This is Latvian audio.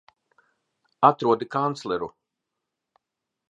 Atrodi kancleru!